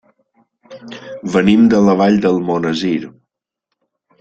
Venim de la Vall d'Almonesir.